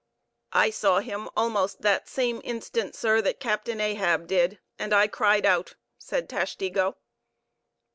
"I saw him almost that same instant, sir, that Captain Ahab did, and I cried out," said Tashtego.